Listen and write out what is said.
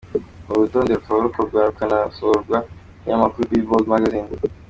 Uru rutonde rukaba rukorwa rukanasohorwa n’ikinyamakuru Billboard Magazine.